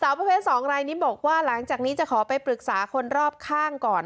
ประเภท๒รายนี้บอกว่าหลังจากนี้จะขอไปปรึกษาคนรอบข้างก่อน